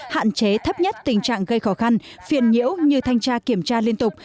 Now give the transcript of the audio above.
hạn chế thấp nhất tình trạng gây khó khăn phiền nhiễu như thanh tra kiểm tra liên tục